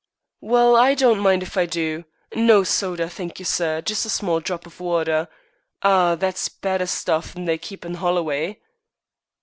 "Well, I don't mind if I do. No soda, thank you, sir. Just a small drop of water. Ah, that's better stuff 'n they keep in Holloway."